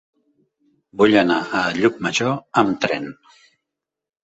Vull anar a Llucmajor amb tren.